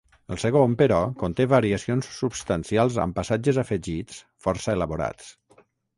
El segon, però, conté variacions substancials amb passatges afegits força elaborats.